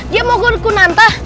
dia mau ke kunanta